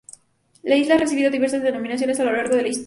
La isla ha recibido diversas denominaciones a lo largo de la historia.